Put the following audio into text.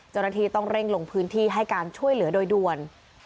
เจ้าหน้าที่ต้องเร่งลงพื้นที่ให้การช่วยเหลือโดยด่วน